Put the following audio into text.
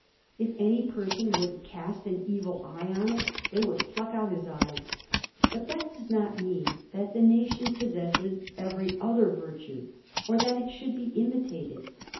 If any person were to cast an evil eye on it, they would pluck out his eyes. But that does not mean that the nation possesses every other virtue or that it should be imitated.